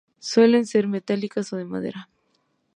Suelen ser metálicas o de madera.